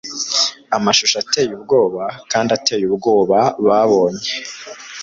amashusho ateye ubwoba kandi ateye ubwoba babonye